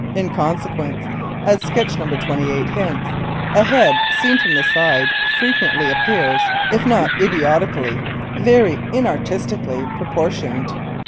In consequence, as sketch No 28 hints, a head seen from the side frequently appears, if not idiotically, very inartistically, proportioned.